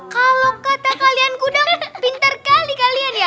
kalau kata kalian kuda pintar kali kalian ya